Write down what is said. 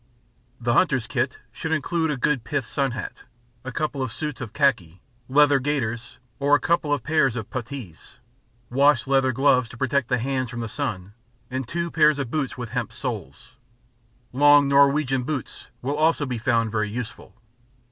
The hunter's kit should include a good pith sunhat, a couple of suits of khaki, leather gaiters or a couple of pairs of puttees, wash leather gloves to protect the hands from the sun, and two pairs of boots with hemp soles; long Norwegian boots will also be found very useful.